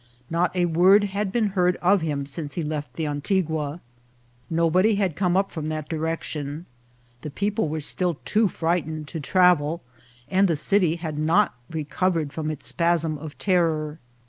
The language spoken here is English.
Not a word had been heard of him since he left the Antigua. Nobody had come up from that direc tion ; the people were still too frightened to travel, and the city had not recovered from its spasm of terror.